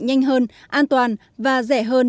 nhanh hơn an toàn và rẻ hơn